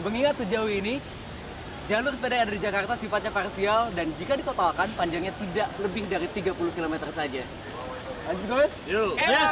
mengingat sejauh ini jalur sepeda yang ada di jakarta sifatnya parsial dan jika ditotalkan panjangnya tidak lebih dari tiga puluh km saja